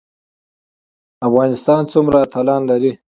افغانستان څومره اتلان لري؟